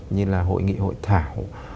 như là hội nghị hội thảo